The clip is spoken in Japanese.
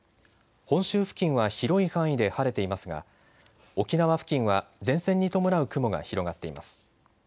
本州付近は広い範囲で晴れていますが沖縄付近は前線に伴う雲が広がっています。